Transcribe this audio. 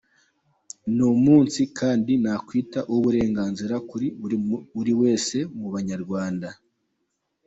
Ni umunsi kandi nakwita uw’uburenganzira kuri buri wese mu banyarwanda.